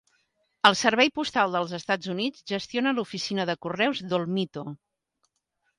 El Servei Postal del Estats Units gestiona l'oficina de correus d'Olmito.